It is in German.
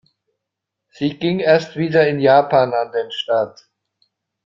Sie ging erst wieder in Japan an den Start.